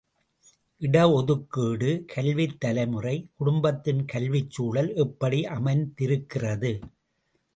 இட ஒதுக்கீடு கல்வித் தலைமுறை குடும்பத்தின் கல்விச் சூழல் எப்படி அமைந்திருக்கிறது?